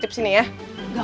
tapi nanti keinura